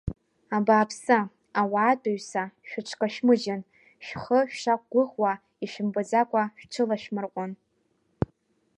Абааԥсы, ауаатәыҩса шәыҽкашәмыжьын, шәхы шәшақәгәыӷуа, ишәымбаӡакәа шәҽылашәмырҟәын.